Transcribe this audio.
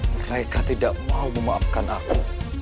mereka tidak mau memaafkan aku